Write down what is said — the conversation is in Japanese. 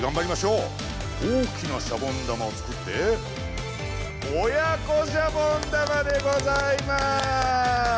大きなシャボン玉を作って親子シャボン玉でございます！